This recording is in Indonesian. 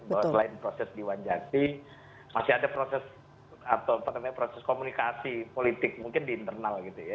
bahwa selain proses diwanjasi masih ada proses atau apa namanya proses komunikasi politik mungkin di internal gitu ya